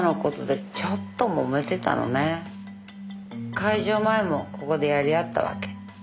開場前もここでやりあったわけ。